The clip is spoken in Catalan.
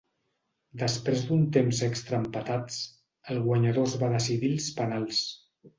Després d"un temps extra empatats, el guanyador es va decidir als penals.